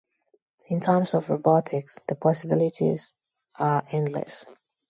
In terms of robotics, the possibilities are endless.